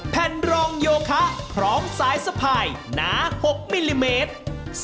แผ่นรองโยคะพร้อมสายสะพายหนา๖มิลลิเมตร